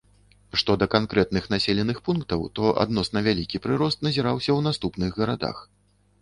Што да канкрэтных населеных пунктаў, то адносна вялікі прырост назіраўся ў наступных гарадах.